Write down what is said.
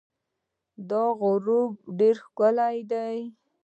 دا غروب ډېر ښکلی دی.